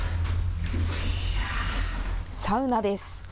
サウナです。